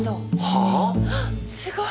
はあすごい。